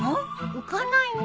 浮かないね。